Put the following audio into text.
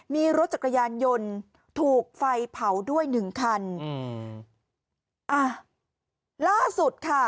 มีรถจักรยานยนต์ถูกไฟเผาด้วยหนึ่งคันอืมอ่ะล่าสุดค่ะ